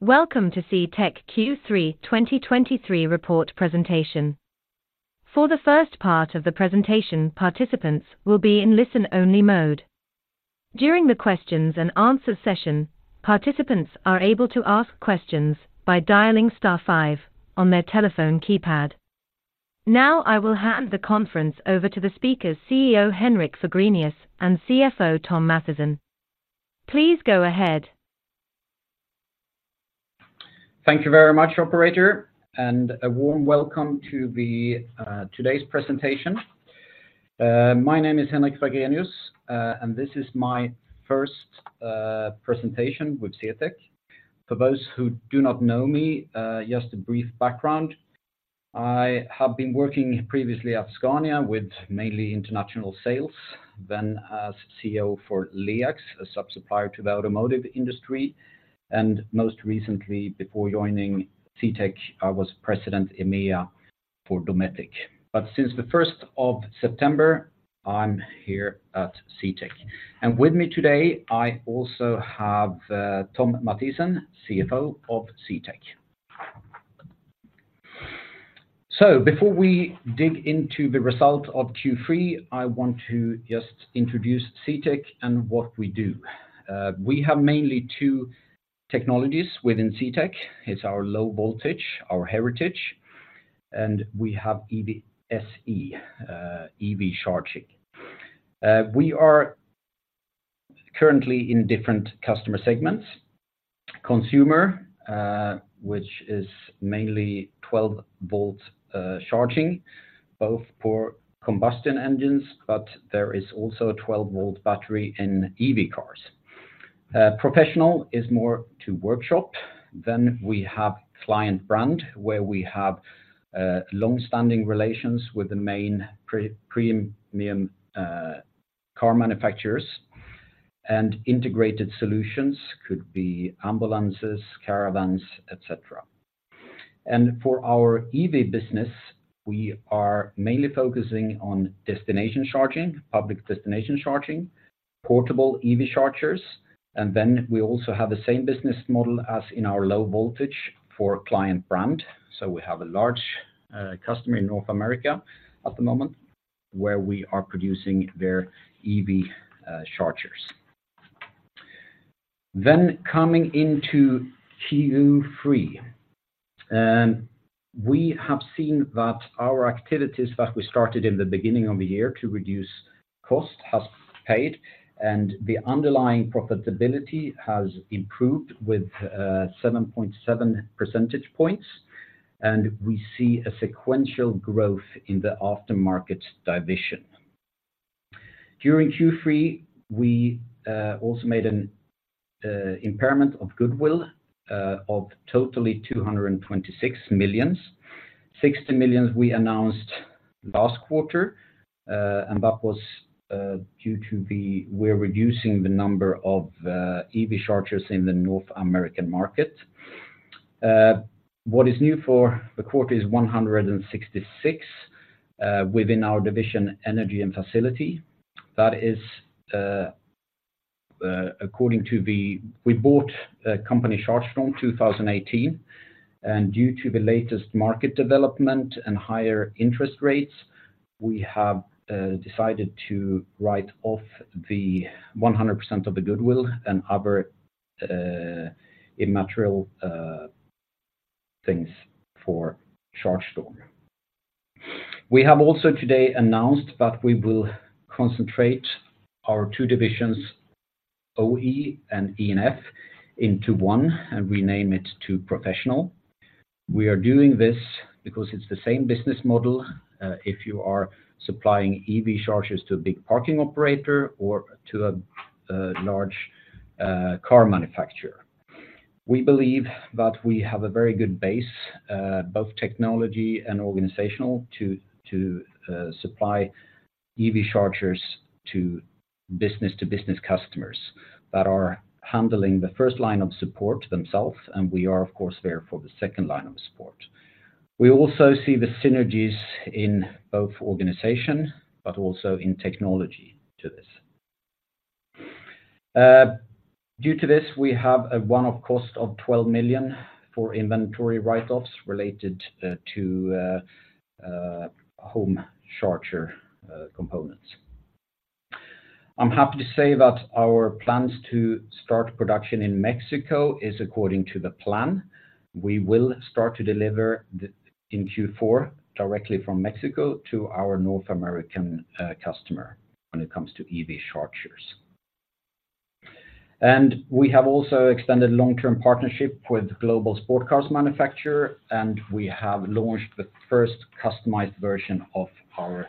Welcome to CTEK Q3 2023 report presentation. For the first part of the presentation, participants will be in listen-only mode. During the questions and answer session, participants are able to ask questions by dialing star five on their telephone keypad. Now, I will hand the conference over to the speakers, CEO Henrik Fagrenius, and CFO Thom Mathisen. Please go ahead. Thank you very much, operator, and a warm welcome to today's presentation. My name is Henrik Fagrenius, and this is my first presentation with CTEK. For those who do not know me, just a brief background. I have been working previously at Scania with mainly international sales, then as CEO for LEAX, a sub-supplier to the automotive industry, and most recently, before joining CTEK, I was President EMEA for Dometic. But since the first of September, I'm here at CTEK. And with me today, I also have Thom Mathisen, CFO of CTEK. So before we dig into the result of Q3, I want to just introduce CTEK and what we do. We have mainly two technologies within CTEK. It's our low voltage, our heritage, and we have EVSE, EV charging. We are currently in different customer segments. Consumer, which is mainly 12 volts, charging, both for combustion engines, but there is also a 12-volt battery in EV cars. Professional is more to workshop. Then we have Client Brand, where we have, long-standing relations with the main pre-premium, car manufacturers, and integrated solutions could be ambulances, caravans, et cetera. And for our EV business, we are mainly focusing on destination charging, public destination charging, portable EV chargers, and then we also have the same business model as in our low voltage for Client Brand. So we have a large, customer in North America at the moment, where we are producing their EV, chargers. Then coming into Q3, we have seen that our activities that we started in the beginning of the year to reduce cost has paid, and the underlying profitability has improved with 7.7 percentage points, and we see a sequential growth in the aftermarket division. During Q3, we also made an impairment of goodwill of totally 226 million. 60 million we announced last quarter, and that was due to the-- we're reducing the number of EV chargers in the North American market. What is new for the quarter is 166 within our division, Energy and Facilities. That is according to the... We bought a company, Chargestorm, 2018, and due to the latest market development and higher interest rates, we have decided to write off the 100% of the goodwill and other immaterial things for Chargestorm. We have also today announced that we will concentrate our two divisions, OE and E&F, into one and rename it to Professional. We are doing this because it's the same business model, if you are supplying EV chargers to a big parking operator or to a large car manufacturer. We believe that we have a very good base both technology and organizational, to supply EV chargers to business to business customers that are handling the first line of support themselves, and we are, of course, there for the second line of support. We also see the synergies in both organization, but also in technology to this. Due to this, we have a one-off cost of 12 million for inventory write-offs related to home charger components. I'm happy to say that our plans to start production in Mexico is according to the plan. We will start to deliver the in Q4 directly from Mexico to our North American customer when it comes to EV chargers. And we have also extended long-term partnership with global sports cars manufacturer, and we have launched the first customized version of our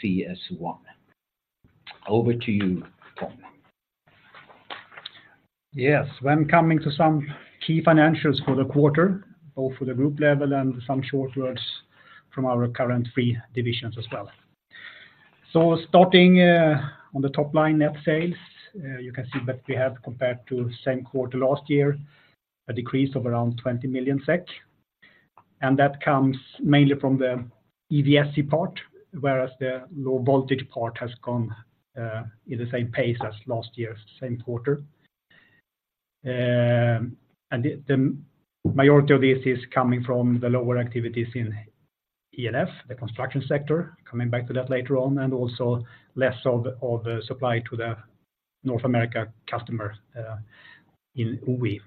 CS ONE. Over to you, Thom. Yes, when coming to some key financials for the quarter, both for the group level and some short words from our current three divisions as well. So starting on the top line, net sales, you can see that we have compared to the same quarter last year, a decrease of around 20 million SEK, and that comes mainly from the EVSE part, whereas the low voltage part has gone in the same pace as last year, same quarter. And the majority of this is coming from the lower activities in E&F, the construction sector, coming back to that later on, and also less of the supply to the North America customer in OE.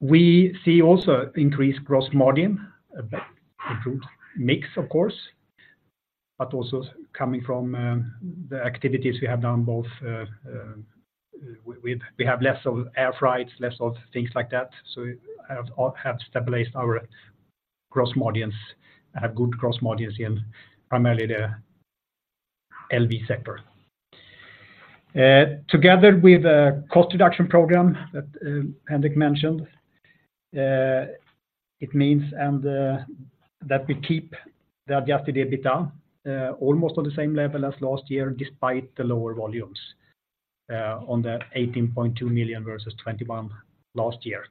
We see also increased gross margin, an improved mix, of course, but also coming from the activities we have done, both we have less of air freights, less of things like that, so we have stabilized our gross margins, have good gross margins in primarily the LV sector. Together with a cost reduction program that Henrik mentioned, it means, and that we keep the Adjusted EBITDA almost on the same level as last year, despite the lower volumes, on the 18.2 million versus 21 million last year,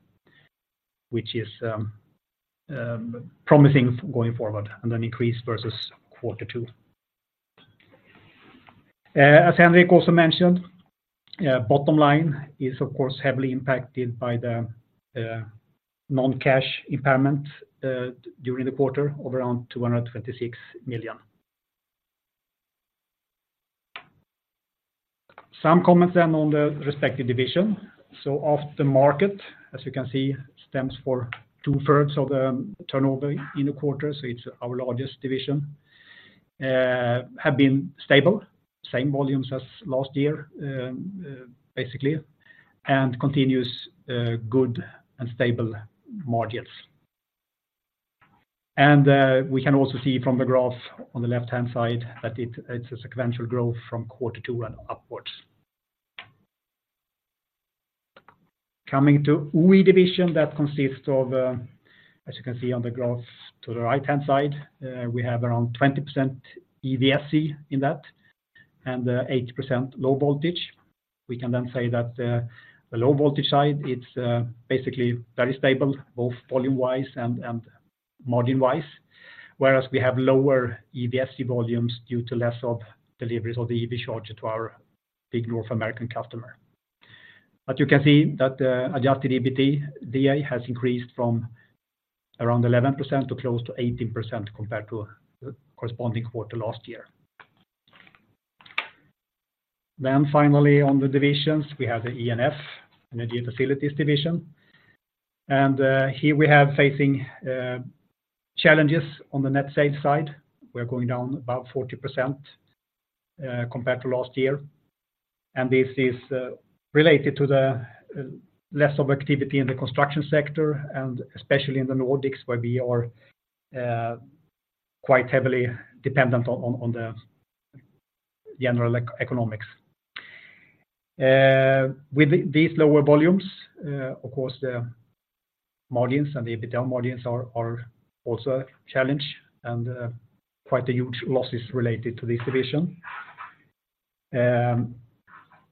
which is promising going forward, and an increase versus quarter two. As Henrik also mentioned, bottom line is, of course, heavily impacted by the non-cash impairment during the quarter of around 226 million. Some comments then on the respective division. Aftermarket, as you can see, stems for two-thirds of the turnover in the quarter, so it's our largest division, have been stable, same volumes as last year, basically, and continues good and stable margins. We can also see from the graph on the left-hand side that it's a sequential growth from quarter two and upwards. Coming to OE division, that consists of, as you can see on the graph to the right-hand side, we have around 20% EVSE in that, and 80% low voltage. We can then say that the low voltage side it's basically very stable, both volume-wise and margin-wise, whereas we have lower EVSE volumes due to less of deliveries of the EV charger to our big North American customer. But you can see that, Adjusted EBITDA has increased from around 11% to close to 18% compared to the corresponding quarter last year. Then finally, on the divisions, we have the E&F, Energy and Facilities division, and, here we have facing challenges on the net sales side. We're going down about 40%, compared to last year, and this is, related to the, less of activity in the construction sector, and especially in the Nordics, where we are, quite heavily dependent on the general economics. With these lower volumes, of course, the margins and the EBITDA margins are also a challenge, and, quite a huge losses related to this division.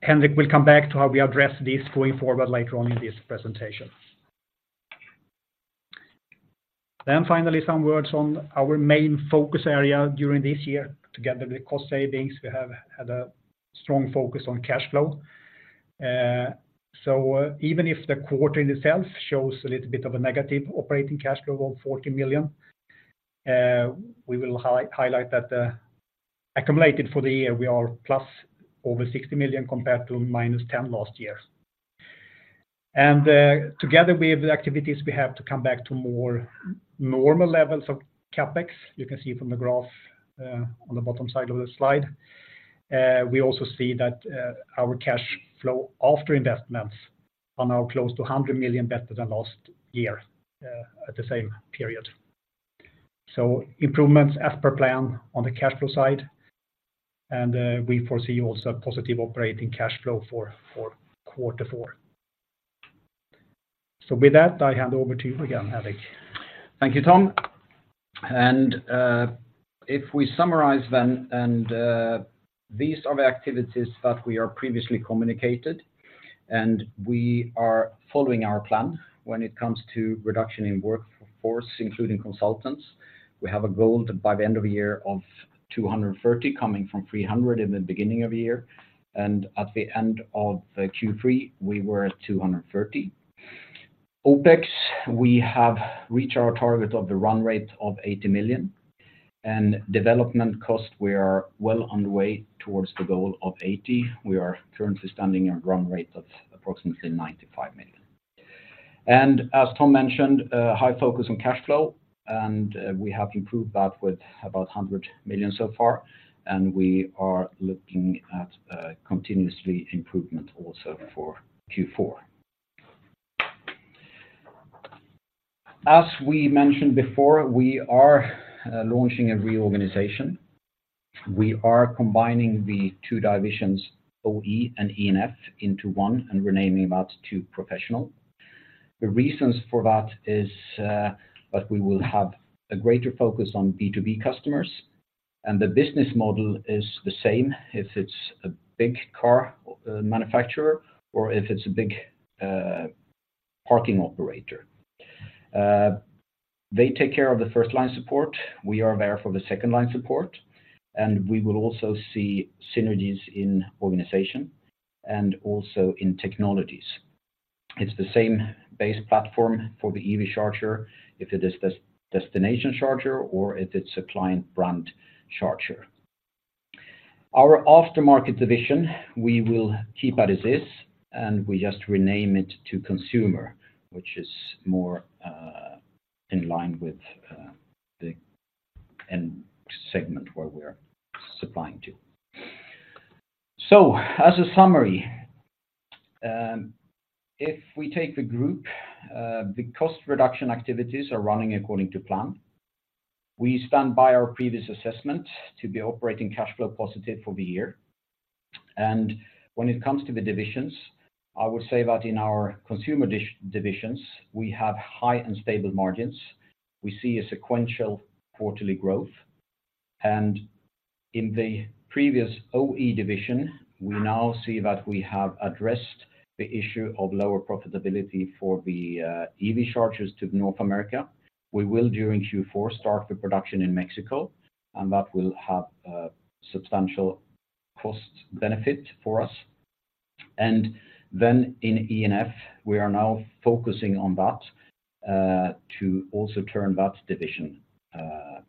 Henrik will come back to how we address this going forward later on in this presentation. Then finally, some words on our main focus area during this year. Together with cost savings, we have had a strong focus on cash flow. So, even if the quarter in itself shows a little bit of a negative operating cash flow of 40 million, we will highlight that, accumulated for the year, we are plus over 60 million compared to minus 10 million last year. And, together with the activities, we have to come back to more normal levels of CapEx. You can see from the graph, on the bottom side of the slide. We also see that our cash flow after investments are now close to 100 million better than last year, at the same period. So improvements as per plan on the cash flow side, and we foresee also positive operating cash flow for quarter four. So with that, I hand over to you again, Henrik. Thank you, Tom. And, if we summarize then, and, these are the activities that we are previously communicated, and we are following our plan when it comes to reduction in workforce, including consultants. We have a goal to, by the end of the year, of 230, coming from 300 in the beginning of the year, and at the end of the Q3, we were at 230. OpEx, we have reached our target of the run rate of 80 million, and development cost, we are well on the way towards the goal of 80 million. We are currently standing a run rate of approximately 95 million. And as Tom mentioned, high focus on cash flow, and, we have improved that with about 100 million so far, and we are looking at, continuously improvement also for Q4. As we mentioned before, we are launching a reorganization. We are combining the two divisions, OE and E&F, into one and renaming that to Professional. The reasons for that is that we will have a greater focus on B2B customers and the business model is the same, if it's a big car manufacturer or if it's a big parking operator. They take care of the first-line support, we are there for the second-line support, and we will also see synergies in organization and also in technologies. It's the same base platform for the EV charger, if it is destination charger or if it's a client brand charger. Our aftermarket division, we will keep as is, and we just rename it to consumer, which is more in line with the end segment where we're supplying to. So as a summary, if we take the group, the cost reduction activities are running according to plan. We stand by our previous assessment to be operating cash flow positive for the year. When it comes to the divisions, I would say that in our Consumer divisions, we have high and stable margins. We see a sequential quarterly growth, and in the previous OE division, we now see that we have addressed the issue of lower profitability for the EV chargers to North America. We will, during Q4, start the production in Mexico, and that will have a substantial cost benefit for us. Then in E&F, we are now focusing on that to also turn that division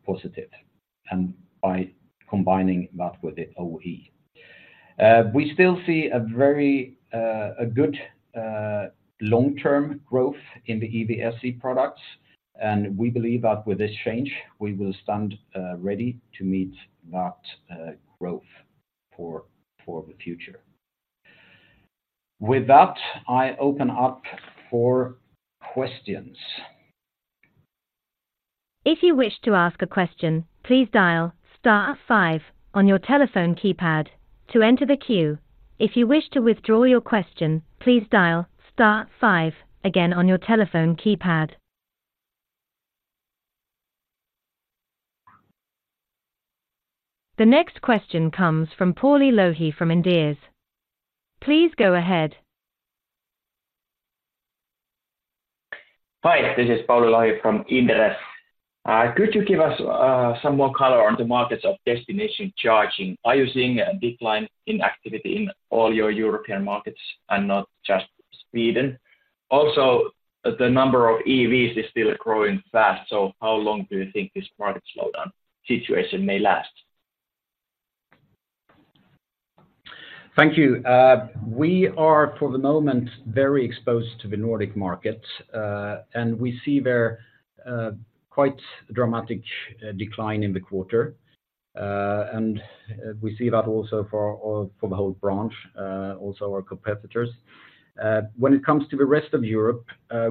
positive, and by combining that with the OE. We still see a very good long-term growth in the EVSE products, and we believe that with this change, we will stand ready to meet that growth for the future. With that, I open up for questions. If you wish to ask a question, please dial star five on your telephone keypad to enter the queue. If you wish to withdraw your question, please dial star five again on your telephone keypad. The next question comes from Pauli Lohi from Inderes. Please go ahead. Hi, this is Pauli Lohi from Inderes. Could you give us some more color on the markets of destination charging? Are you seeing a decline in activity in all your European markets and not just Sweden? Also, the number of EVs is still growing fast, so how long do you think this market slowdown situation may last? Thank you. We are, for the moment, very exposed to the Nordic market, and we see there quite dramatic decline in the quarter. We see that also for the whole branch, also our competitors. When it comes to the rest of Europe,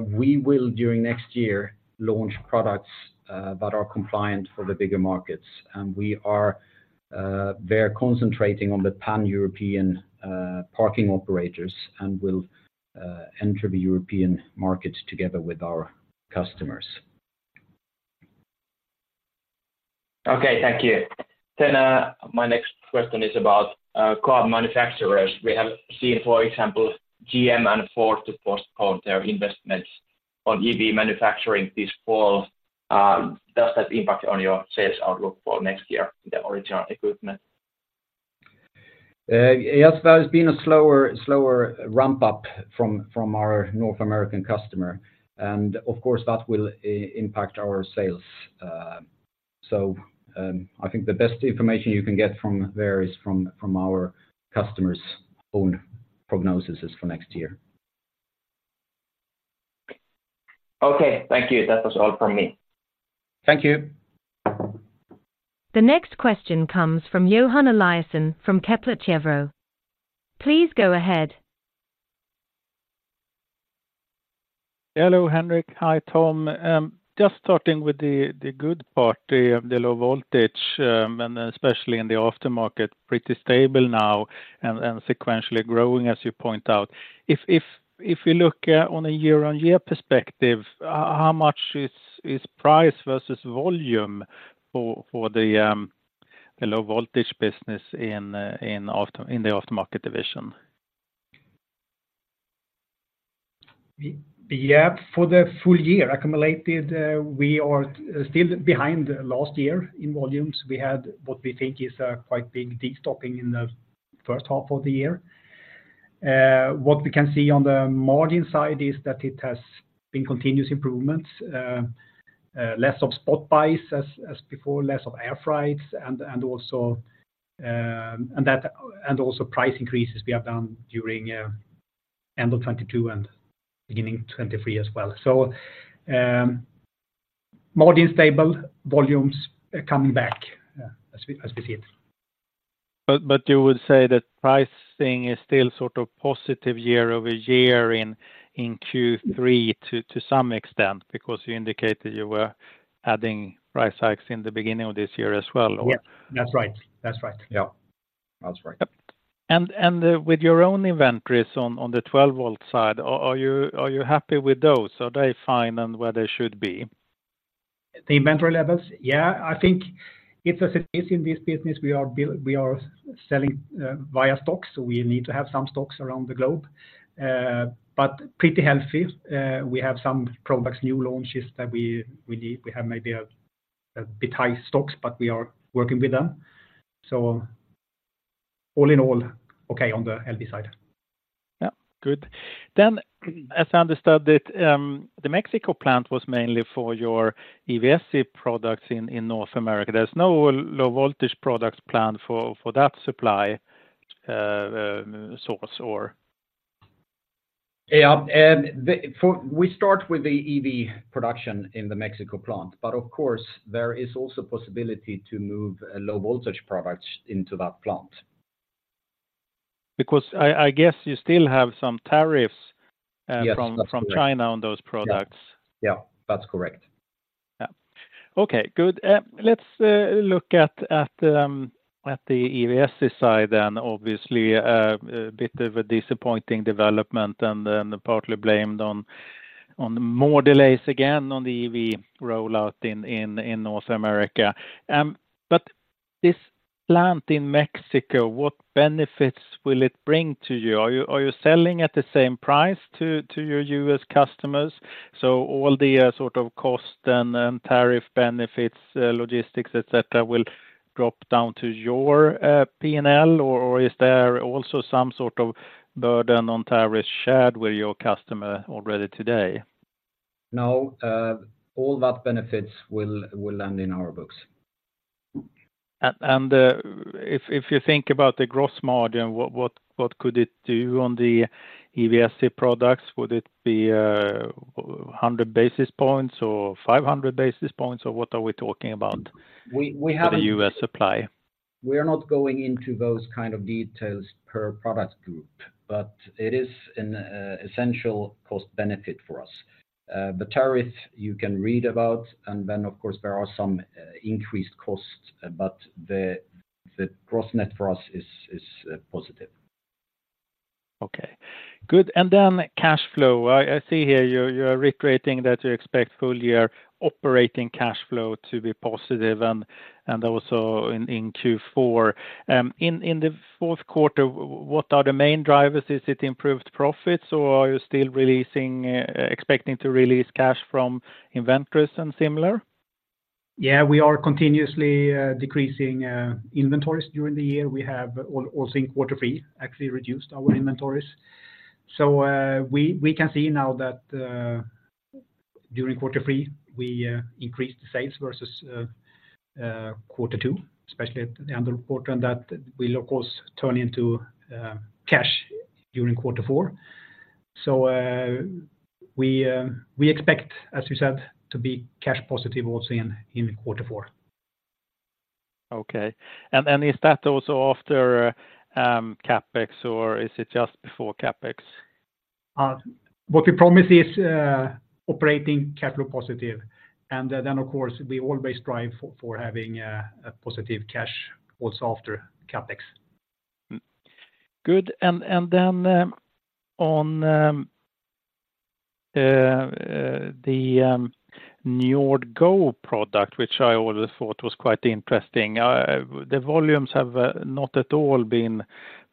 we will, during next year, launch products that are compliant for the bigger markets. We are there concentrating on the Pan-European parking operators, and we'll enter the European markets together with our customers. Okay, thank you. Then, my next question is about car manufacturers. We have seen, for example, GM and Ford to postpone their investments on EV manufacturing this fall. Does that impact on your sales outlook for next year, the original equipment? Yes, there has been a slower ramp-up from our North American customer, and of course, that will impact our sales. So, I think the best information you can get from there is from our customers' own prognoses for next year. Okay, thank you. That was all from me. Thank you. The next question comes from Johan Eliason from Kepler Cheuvreux. Please go ahead. Hello, Henrik. Hi, Tom. Just starting with the good part, the low voltage, and especially in the Aftermarket, pretty stable now and sequentially growing, as you point out. If you look on a year-on-year perspective, how much is price versus volume for the low voltage business in the Aftermarket division? We, yeah, for the full year, accumulated, we are still behind last year in volumes. We had what we think is a quite big de-stocking in the first half of the year. What we can see on the margin side is that it has been continuous improvements, less of spot buys as before, less of air freights, and also price increases we have done during end of 2022 and beginning 2023 as well. So, margin stable, volumes are coming back, as we see it. But you would say that pricing is still sort of positive year over year in Q3 to some extent, because you indicated you were adding price hikes in the beginning of this year as well, or? Yeah. That's right. That's right. Yeah.... That's right. Yep. And with your own inventories on the 12-volt side, are you happy with those? Are they fine and where they should be? The inventory levels? Yeah, I think it's as it is in this business, we are selling via stocks, so we need to have some stocks around the globe. But pretty healthy. We have some products, new launches that we need. We have maybe a bit high stocks, but we are working with them. So all in all, okay, on the LV side. Yeah, good. Then, as I understood it, the Mexico plant was mainly for your EVSE products in North America. There's no low voltage products planned for that supply source or? Yeah, we start with the EV production in the Mexico plant, but of course, there is also possibility to move a low voltage products into that plant. Because I guess you still have some tariffs. Yes, that's correct. From China on those products. Yeah. Yeah, that's correct. Yeah. Okay, good. Let's look at the EVSE side then. Obviously, a bit of a disappointing development, and then partly blamed on more delays again on the EV rollout in North America. But this plant in Mexico, what benefits will it bring to you? Are you selling at the same price to your U.S. customers? So all the sort of cost and tariff benefits, logistics, et cetera, will drop down to your P&L? Or is there also some sort of burden on tariffs shared with your customer already today? No, all that benefits will land in our books. If you think about the gross margin, what could it do on the EVSE products? Would it be 100 basis points or 500 basis points, or what are we talking about? We have- For the U.S. supply? We are not going into those kind of details per product group, but it is an essential cost benefit for us. The tariff you can read about, and then, of course, there are some increased costs, but the cross net for us is positive. Okay, good. And then cash flow. I see here you're reiterating that you expect full year operating cash flow to be positive and also in Q4. In the fourth quarter, what are the main drivers? Is it improved profits, or are you still releasing, expecting to release cash from inventories and similar? Yeah, we are continuously decreasing inventories during the year. We have also in quarter three, actually reduced our inventories. So, we can see now that during quarter three, we increased the sales versus quarter two, especially at the end of the quarter, and that will, of course, turn into cash during quarter four. So, we expect, as you said, to be cash positive also in quarter four. Okay. And is that also after CapEx, or is it just before CapEx? What we promise is operating capital positive, and then, of course, we always strive for having a positive cash also after CapEx. Good. And then, on the NJORD GO product, which I always thought was quite interesting. The volumes have not at all been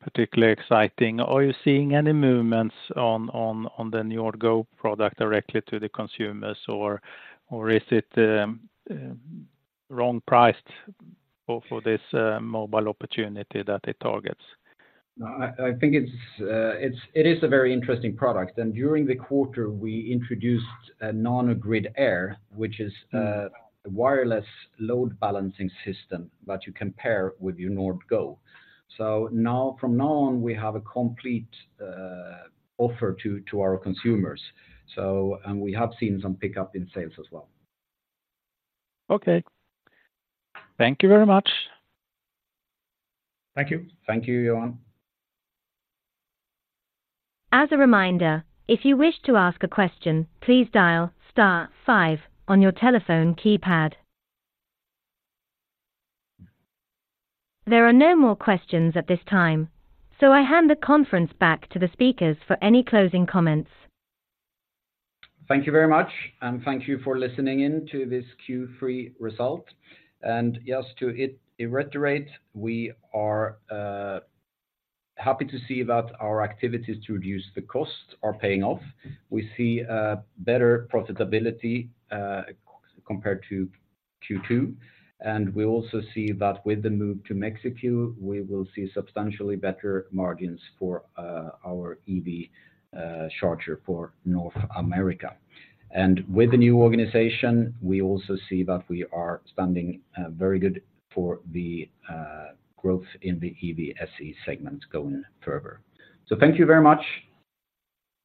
particularly exciting. Are you seeing any movements on the NJORD GO product directly to the consumers? Or is it wrong-priced for this mobile opportunity that it targets? No, I think it is a very interesting product, and during the quarter, we introduced a NANOGRID AIR, which is a wireless load balancing system that you can pair with your NJORD GO. So now, from now on, we have a complete offer to our consumers, so, and we have seen some pickup in sales as well. Okay. Thank you very much. Thank you. Thank you, Johan. As a reminder, if you wish to ask a question, please dial star five on your telephone keypad. There are no more questions at this time, so I hand the conference back to the speakers for any closing comments. Thank you very much, and thank you for listening in to this Q3 result. Yes, to reiterate, we are happy to see that our activities to reduce the costs are paying off. We see a better profitability compared to Q2, and we also see that with the move to Mexico, we will see substantially better margins for our EV charger for North America. With the new organization, we also see that we are standing very good for the growth in the EVSE segment going further. Thank you very much!